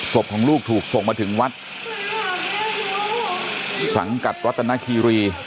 ศพของลูกถูกส่งมาถึงวัดสังกัดรัตนคีรี